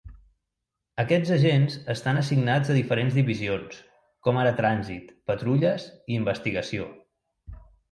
Aquests agents estan assignats a diferents divisions, com ara trànsit, patrulles i investigació.